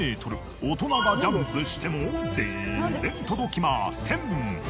大人がジャンプしてもぜんぜん届きません。